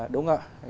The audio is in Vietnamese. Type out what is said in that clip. đúng không ạ